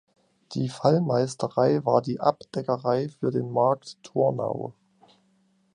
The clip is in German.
Die Fallmeisterei war die Abdeckerei für den Markt Thurnau.